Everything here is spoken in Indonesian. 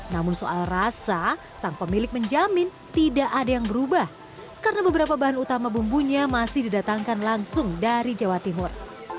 namun soal rasa sang pemilik menjamin tidak ada yang berubah karena beberapa bahan utama bumbunya masih didatangkan langsung dari jawa timur